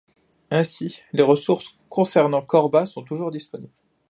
Ainsi, les ressources concernant Corba sont toujours disponibles.